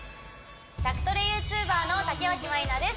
宅トレＹｏｕＴｕｂｅｒの竹脇まりなです